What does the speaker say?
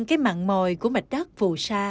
cái mặn mòi của mạch đất vù sa